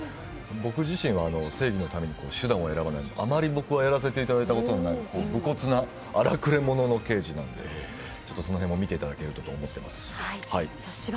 僕自身は正義のためには手段を選ばない、あまり僕はやらせていただいたことのない武骨な荒くれ者の刑事なんで、そこも見ていただければと思います。